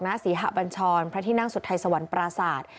น้าศรีหะบัญชรพระที่นั่งสุทธิ์ไทยสวรรค์ปราสาท